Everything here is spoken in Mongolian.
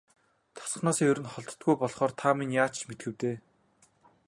Тосгоноосоо ер холддоггүй болохоор та минь ч яаж мэдэх вэ дээ.